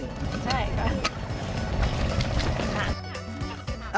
ใช่ค่ะ